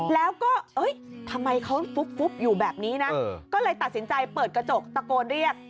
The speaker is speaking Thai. แล้วก็ทำไมเขาฟุบอยู่แบบนี้นะก็เลยตัดสินใจเปิดกระจกตะโกนเรียก